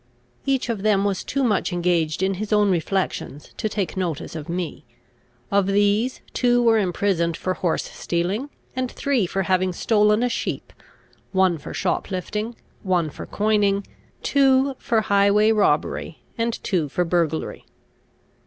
Each of them was too much engaged in his own reflections, to take notice of me. Of these, two were imprisoned for horse stealing, and three for having stolen a sheep, one for shop lifting, one for coining, two for highway robbery, and two for burglary.